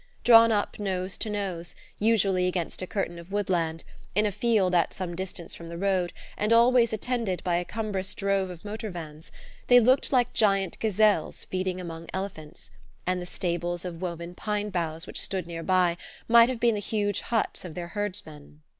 Drawn up nose to nose, usually against a curtain of woodland, in a field at some distance from the road, and always attended by a cumbrous drove of motor vans, they looked like giant gazelles feeding among elephants; and the stables of woven pine boughs which stood near by might have been the huge huts of their herdsmen.